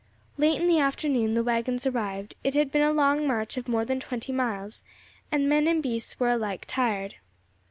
Late in the afternoon the waggons arrived; it had been a long march of more than twenty miles, and men and beasts were alike tired.